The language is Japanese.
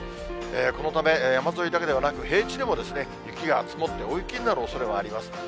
このため山沿いだけではなく、平地でも雪が積もって、大雪になるおそれもあります。